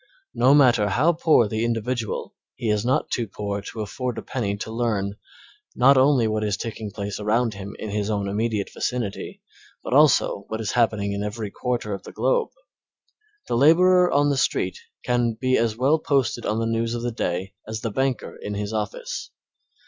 No matter how poor the individual, he is not too poor to afford a penny to learn, not alone what is taking place around him in his own immediate vicinity, but also what is happening in every quarter of the globe. The laborer on the street can be as well posted on the news of the day as the banker in his office.